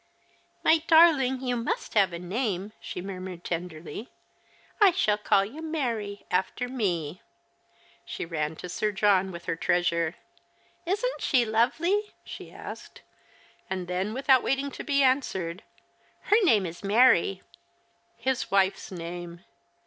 " My darling, you must have a name !" she murmured tenderly. " I shall call you Mary, after me." She ran to Sir John with her treasure. " Isn't she lovely ?" she asked ; and then, without waiting to be answered, " Her name is Mary." His wife's name